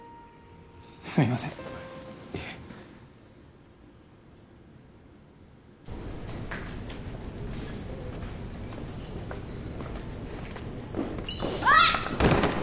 すみませんいえああっ！